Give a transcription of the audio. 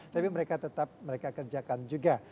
tapi mereka tetap mereka kerjakan juga